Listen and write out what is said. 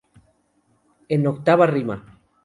En octava rima.